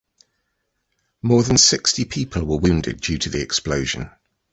More than sixty people were wounded due to the explosion.